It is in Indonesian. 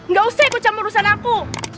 gak usah ikut camurusan aku